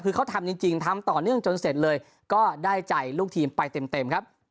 คือเขาทำจริงทำต่อเนื่องจนเสร็จเลยก็ได้ใจลูกทีมไปเต็มครับ